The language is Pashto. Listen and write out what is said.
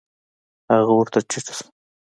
هغه ورته ټيټ سو.